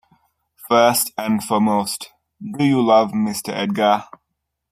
‘First and foremost, do you love Mr. Edgar?’